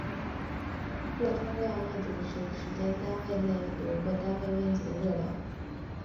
热通量密度是单位时间内流过单位面积的热量。